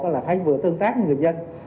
đầu là phải vừa tương tác với người dân